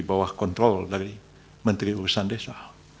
bawah kontrol dari menteri urusan desa